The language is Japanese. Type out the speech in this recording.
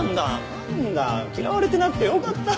なんだ嫌われてなくてよかった。